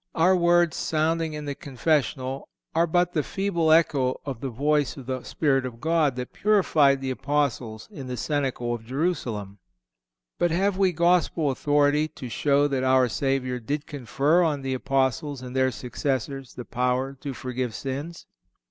Our words sounding in the confessional are but the feeble echo of the voice of the Spirit of God that purified the Apostles in the cenacle of Jerusalem. But have we Gospel authority to show that our Savior did confer on the Apostles and their successors the power to forgive sins?